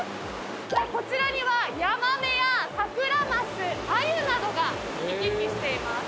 さあこちらにはヤマメやサクラマスアユなどが行き来しています。